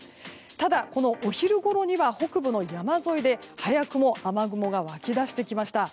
ただ、お昼ごろには北部の山沿いで早くも雨雲が湧きだしてきました。